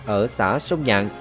ở xã sông nhạn